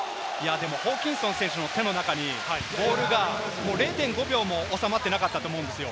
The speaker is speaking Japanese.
ホーキンソン選手の手の中にボールが０．５秒も収まってなかったと思うんですよ。